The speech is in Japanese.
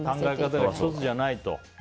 考え方が１つじゃないと。